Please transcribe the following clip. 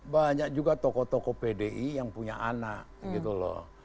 banyak juga tokoh tokoh pdi yang punya anak gitu loh